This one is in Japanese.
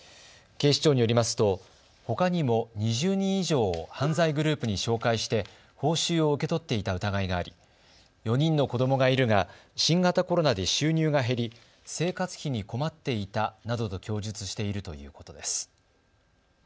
警視庁によりますとほかにも２０人以上を犯罪グループに紹介して報酬を受け取っていた疑いがあり４人の子どもがいるが新型コロナで収入が減り生活費に困っていたなどと供述しているということです。